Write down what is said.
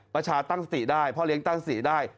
ประชาตั้งสติได้พ่อเลี้ยงตั้งสีได้